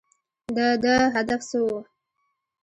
د ده هدف څه و ؟